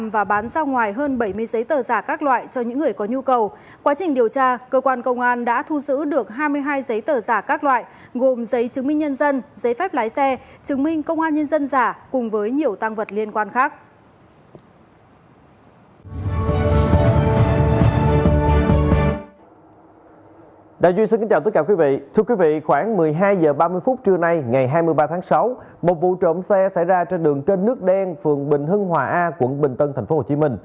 vì khoảng một mươi hai h ba mươi phút trưa nay ngày hai mươi ba tháng sáu một vụ trộm xe xảy ra trên đường trên nước đen phường bình hưng hòa a quận bình tân tp hcm